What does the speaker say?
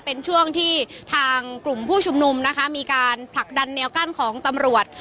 เป็นช่วงที่ทางกลุ่มผู้ชุมนุมนะคะมีการผลักดันแนวกั้นของตำรวจ